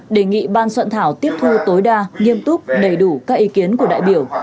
đề nghị ban soạn thảo tiếp thu tối đa nghiêm túc đầy đủ các ý kiến của đại biểu